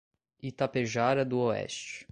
Itapejara d'Oeste